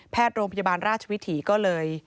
โรงพยาบาลราชวิถีก็เลย